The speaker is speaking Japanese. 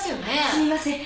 すいません。